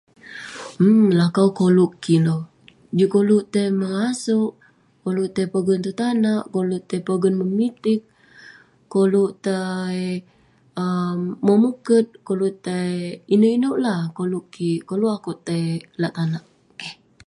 um lakau koluk kik neh, juk koluk tai mengaseuk, koluk tai pogen tong tanak, koluk tai pogen memitiq, koluk tai um memuket, koluk tai ineuk-ineuk lah koluk kik. Koluk akeuk tai lak tanak um.